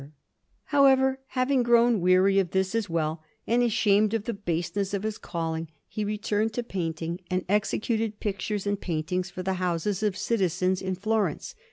Panel_)] However, having grown weary of this as well, and ashamed of the baseness of his calling, he returned to painting, and executed pictures and paintings for the houses of citizens in Florence.